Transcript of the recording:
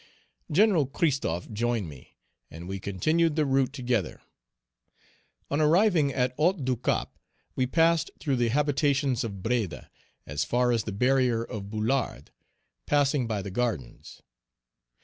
Gen. Christophe joined me, and we continued the route together. On arriving at Haut du Cap, we passed through the habitations of Breda as far as the barrier of Boulard, passing by the gardens.